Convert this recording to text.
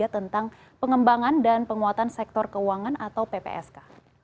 tentang pengembangan dan penguatan sektor keuangan atau ppsk